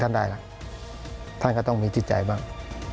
ได้ล่ะท่านก็ต้องมีจิตใจบ้าง